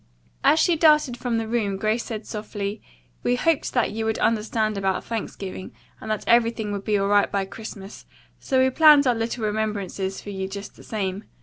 As she darted from the room, Grace said softly: "We hoped that you would understand about Thanksgiving and that everything would be all right by Christmas, so we planned our little remembrances for you just the same.